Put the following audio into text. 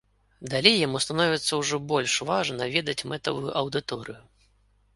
Далей яму становіцца ўжо больш важна ведаць мэтавую аўдыторыю.